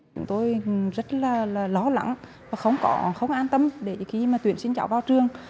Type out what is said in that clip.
chúng tôi rất là lo lắng và không an tâm để khi mà tuyển sinh cháu vào trường